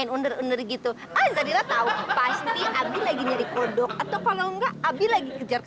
lu enggak tau ini jamnya latihan